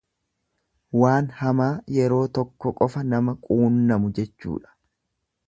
Waan hamaa yeroo tokko qofa nama quunnamu jechuudha.